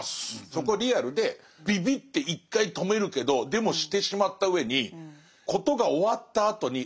そこリアルでビビって一回止めるけどでもしてしまったうえに事が終わったあとにえらい